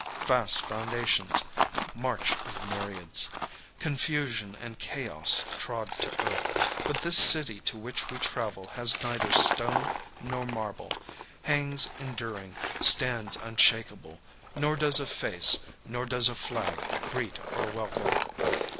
Fast foundations. March of myriads. Confusion and chaos trod to earth. But this city to which we travel has neither stone nor marble; hangs enduring; stands unshakable; nor does a face, nor does a flag greet or welcome.